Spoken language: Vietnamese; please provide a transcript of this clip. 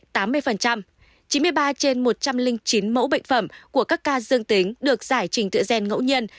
chín mươi ba trên một trăm linh chín mẫu bệnh phẩm của các ca dương tính được giải trình tự gen ngẫu nhiên